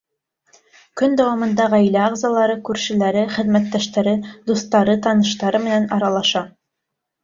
Көн дауамында ғаилә ағзалары, күршеләре, хеҙмәттәштәре, дуҫтары, таныштары менән аралаша.